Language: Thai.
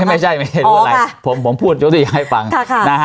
ไม่ไม่ใช่ไม่ได้รู้อะไรอ๋อค่ะผมผมพูดยกตัวอย่างให้ฟังค่ะค่ะนะฮะ